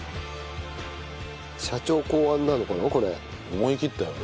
思い切ったよね。